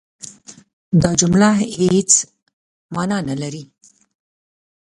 دا زماني متغیرونو تابع دي.